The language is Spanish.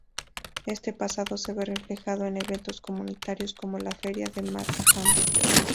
Este pasado se ve reflejado en eventos comunitarios como la Feria de Markham.